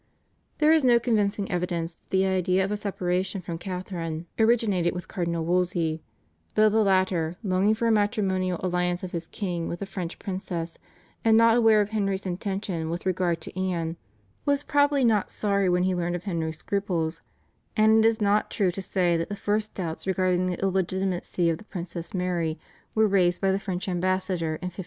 There is no convincing evidence that the idea of a separation from Catharine originated with Cardinal Wolsey, though the latter, longing for a matrimonial alliance of his king with a French princess, and not aware of Henry's intention with regard to Anne, was probably not sorry when he learned of Henry's scruples; and it is not true to say that the first doubts regarding the illegitimacy of the Princess Mary were raised by the French Ambassador in 1527.